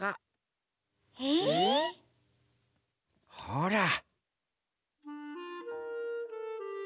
ほら。